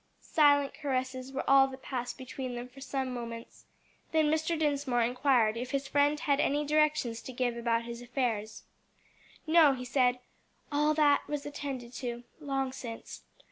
Silent caresses were all that passed between them for some moments; then Mr. Dinsmore inquired if his friend had any directions to give about his affairs. "No," he said, "all that was attended to long since.